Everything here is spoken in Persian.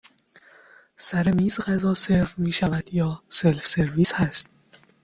سر میز غذا سرو می شود یا سلف سرویس هست؟